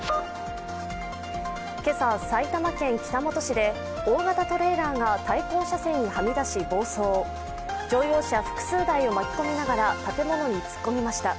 今朝、埼玉県北本市で大型トレーラーが対向車線にはみ出し暴走、乗用車複数台を巻き込みながら建物に突っ込みました。